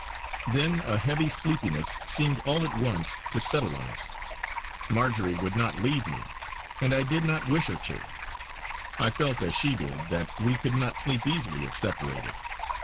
Then a heavy sleepiness seemed all at once to settle on us. Marjory would not leave me, and I did not wish her to. I felt, as she did, that we could not sleep easily if separated.